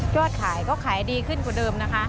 โยดขายเราก็ดีขึ้นกว่าเดิมนะคะ